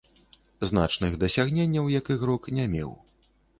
Значных дасягненняў як ігрок не меў.